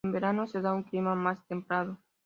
En verano se da un clima más templado.